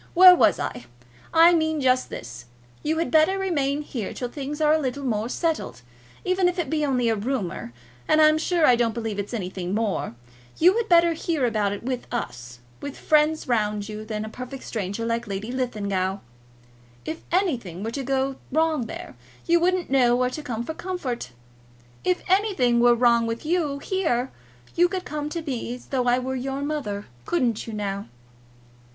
Where was I? I mean just this. You had better remain here till things are a little more settled. Even if it be only a rumour, and I'm sure I don't believe it's anything more, you had better hear about it with us, with friends round you, than with a perfect stranger like Lady Linlithgow. If anything were to go wrong there, you wouldn't know where to go for comfort. If anything were wrong with you here, you could come to me as though I were your mother. Couldn't you, now?"